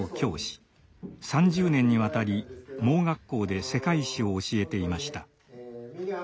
３０年にわたり盲学校で世界史を教えていました。